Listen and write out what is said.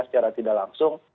secara tidak langsung